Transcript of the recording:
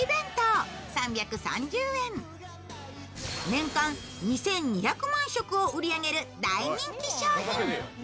年間２２００万食を売り上げる大人気商品。